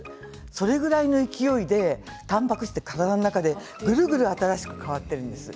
それくらいの勢いでたんぱく質が体の中でぐるぐる新しく変わっているんです。